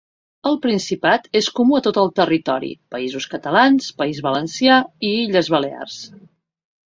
Al Principat és comú a tot el territori, Països Catalans, País Valencià i Illes Balears.